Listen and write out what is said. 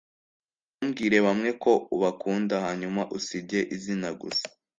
ntubwire bamwe ko ubakunda hanyuma usige izina gusa